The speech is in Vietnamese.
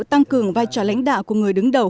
tăng cường vai trò lãnh đạo của người đứng đầu